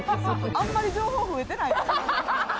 あまり情報増えてない。